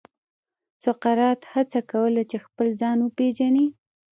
سقراط هڅه کوله چې خپل ځان وپېژني.